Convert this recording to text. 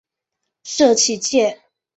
社企界